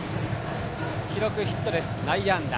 記録はヒットです、内野安打。